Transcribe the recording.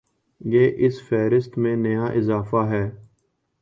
یہ اس فہرست میں نیا اضافہ ہے